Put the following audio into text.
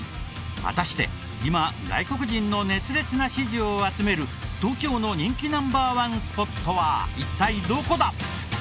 果たして今外国人の熱烈な支持を集める東京の人気Ｎｏ．１スポットは一体どこだ！？